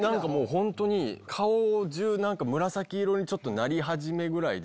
本当に顔中紫色になり始めぐらいで。